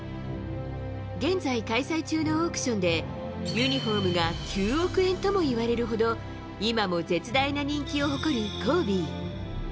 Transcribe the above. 現在開催中のオークションで、ユニホームが９億円ともいわれるほど、今も絶大な人気を誇るコービー。